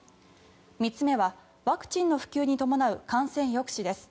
３つ目はワクチンの普及に伴う感染抑止です。